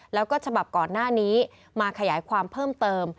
แล้วก็ฉบับก่อนหน้านี้มาขยายความเพิ่มเติม